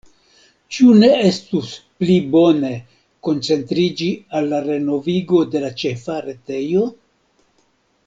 Ĉu ne estus pli bone koncentriĝi al la renovigo de la ĉefa retejo?